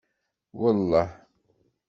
Welleh.